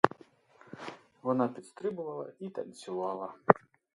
Вона підстрибувала і танцювала.